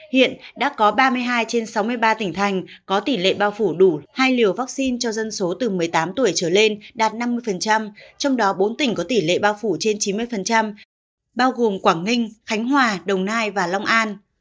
hiện đã có ba mươi hai trên sáu mươi ba tỉnh thành có tỷ lệ bao phủ đủ hai liều vaccine cho dân số từ một mươi tám tuổi trở lên đạt năm mươi trong đó bốn tỉnh có tỷ lệ bao phủ trên chín mươi bao gồm quảng ninh khánh hòa đồng nai và long an